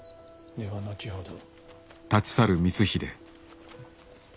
では後ほど。